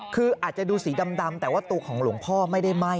คืออาจจะดูสีดำแต่ว่าตัวของหลวงพ่อไม่ได้ไหม้